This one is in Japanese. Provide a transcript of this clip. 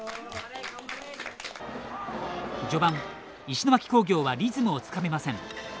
序盤石巻工業はリズムをつかめません。